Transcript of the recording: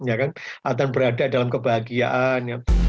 akan berada dalam kebahagiaan